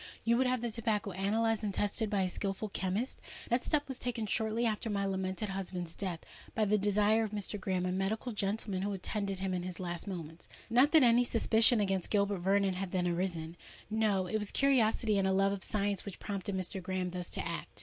You would have the tobacco analysed and tested by a skilful chemist? That step was taken shortly after my lamented husband's death, by the desire of Mr. Graham—a medical gentleman who attended him in his last moments. Not that any suspicion against Gilbert Vernon had then arisen: no—it was curiosity and a love of science which prompted Mr. Graham thus to act."